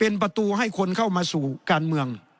เป็นประตูให้คนเข้ามาสู่การเมือง